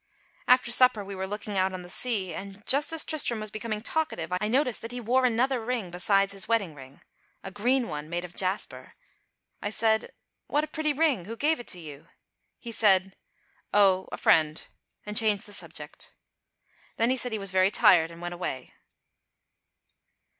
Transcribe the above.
After supper we were looking out on the sea, and just as Tristram was becoming talkative I noticed that he wore another ring besides his wedding ring, a green one, made of jasper. I said, "What a pretty ring! Who gave it you?" He said, "Oh, a friend," and changed the subject. Then he said he was very tired and went away.